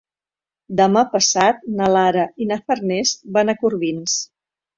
Demà passat na Lara i na Farners van a Corbins.